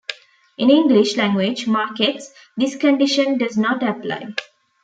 In English language markets, this condition does not apply.